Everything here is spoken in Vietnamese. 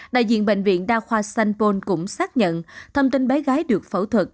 đại diện bệnh viện đa khoa sanpon cũng xác nhận thông tin bé gái được phẫu thuật